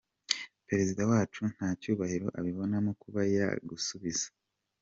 Perezida wacu nta cyubahiro abibonamo kuba yagusubiza.